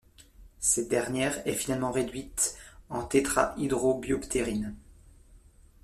Cette dernière est finalement réduite en tétrahydrobioptérine.